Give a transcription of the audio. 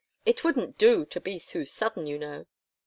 It wouldn't do to be too sudden, you know.